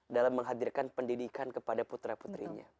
dalam menghadirkan pendidikan kepada putra putrinya